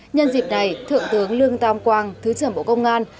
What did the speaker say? nhân dịp này thượng tướng lương tam quang thứ trưởng bộ công an